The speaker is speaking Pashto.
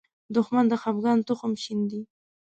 دښمن د خپګان تخم شیندي